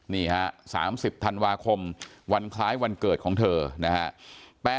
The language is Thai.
นี่ฮะ๓๐ธันวาคมวันคล้ายวันเกิดของเธอนะฮะ